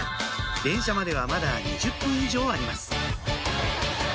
電車まではまだ２０分以上あります